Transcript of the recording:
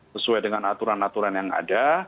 sesuai dengan aturan aturan yang ada